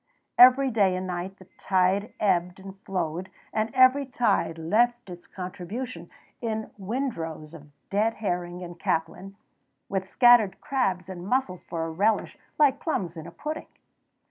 Every day and night the tide ebbed and flowed, and every tide left its contribution in windrows of dead herring and caplin, with scattered crabs and mussels for a relish, like plums in a pudding.